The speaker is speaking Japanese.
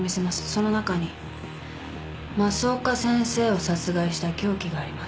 その中に増岡先生を殺害した凶器があります。